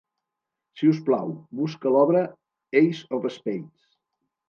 Si us plau, busca l'obra "Ace of Spades".